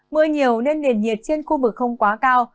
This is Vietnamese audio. mưa nhiều nên nền nhiệt trên khu vực không quá cao